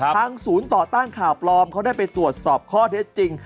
ทางศูนย์ต่อต้านข่าวปลอมเขาได้ไปตรวจสอบข้อเท็จจริง